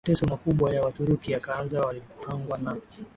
mateso makubwa ya Waturuki yakaanza Walipangwa na